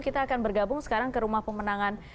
kita akan bergabung sekarang ke rumah pemenangan